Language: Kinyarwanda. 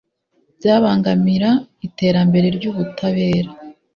byabangamira iterambere ry Ubutabera